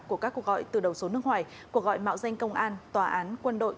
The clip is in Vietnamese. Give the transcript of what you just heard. của các cuộc gọi từ đầu số nước ngoài cuộc gọi mạo danh công an tòa án quân đội